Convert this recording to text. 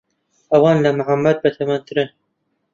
ئەوان لە محەممەد بەتەمەنترن.